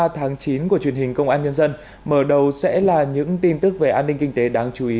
hai mươi tháng chín của truyền hình công an nhân dân mở đầu sẽ là những tin tức về an ninh kinh tế đáng chú ý